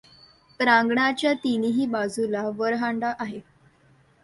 प्रांगणाच्या तीनही बाजूला वर् हांडा आहे.